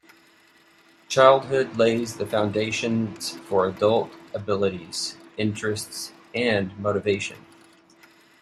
Childhood lays the foundations for adult abilities, interests, and motivation.